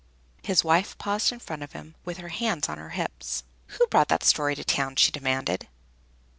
His wife paused in front of him with her hands on her hips. "Who brought that story to town?" she demanded.